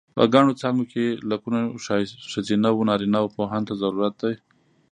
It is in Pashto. په ګڼو څانګو کې لکونو ښځینه و نارینه پوهانو ته ضرورت دی.